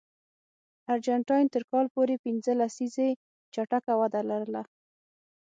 ارجنټاین تر کال پورې پنځه لسیزې چټکه وده لرله.